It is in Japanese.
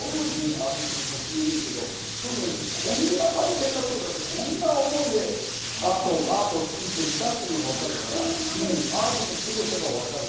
アーティストの作品は見るけど、そうじゃなくてこんな大変なことがあってこんな思いでアートを作ってるんだっていうのがわかるから、アートの凄さがわかる。